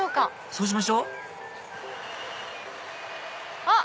そうしましょあっ！